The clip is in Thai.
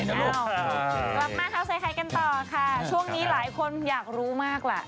กลับมาข่าวใส่ไข่กันต่อค่ะช่วงนี้หลายคนอยากรู้มากล่ะ